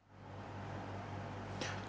công ch times